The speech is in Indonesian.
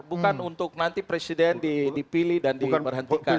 bukan untuk nanti presiden dipilih dan diberhentikan